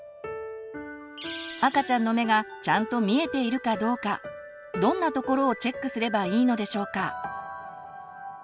赤ちゃんの目がちゃんと見えているかどうかどんなところをチェックすればいいのでしょうか？